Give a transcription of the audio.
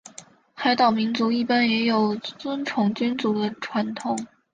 海岛民族一般也有尊崇君主的传统。